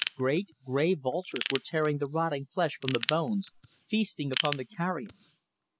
Great grey vultures were tearing the rotting flesh from the bones, feasting upon the carrion.